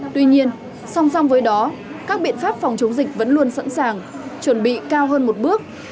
tuy nhiên song song với đó các biện pháp phòng chống dịch vẫn luôn sẵn sàng chuẩn bị cao hơn một bước